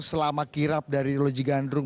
selama kirap dari loji gandrung